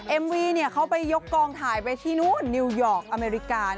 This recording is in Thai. เอ็มวีเขาไปยกกองถ่ายไปที่นู่นนิวยอร์กอเมริกา